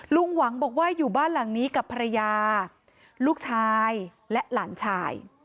ลุงหวังบอกว่าอยู่บ้านหลังนี้กับภรรยาลูกชายและหลานชาย